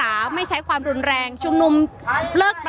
อย่างที่บอกไปว่าเรายังยึดในเรื่องของข้อ